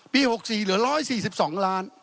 ๖๔เหลือ๑๔๒ล้าน